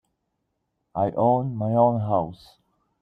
I own my own house.